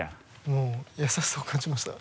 もう優しさを感じました。